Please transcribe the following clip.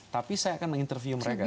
tapi saya akan menginterview mereka